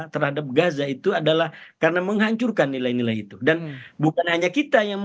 terhadap gaza itu adalah karena menghancurkan nilai nilai itu dan bukan hanya kita yang